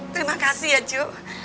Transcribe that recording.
terima kasih ya cu